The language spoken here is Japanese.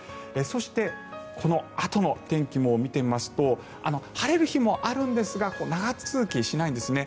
そしてこのあとの天気も見てみますと晴れる日もあるんですが長続きしないんですね。